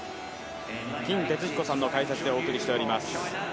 金哲彦さんの解説でお送りしています。